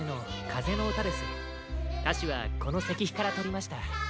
かしはこのせきひからとりました。